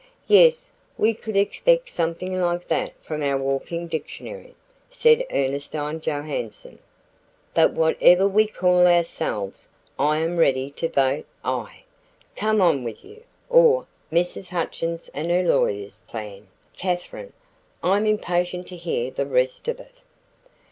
"Yes, we could expect something like that from our walking dictionary," said Ernestine Johanson. "But whatever we call ourselves, I am ready to vote aye. Come on with your or Mrs. Hutchins and her lawyers' plan, Katherine. I'm impatient to hear the rest of it."